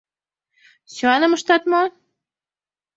Сӱаным ыштат мо?